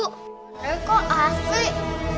tapi kok asik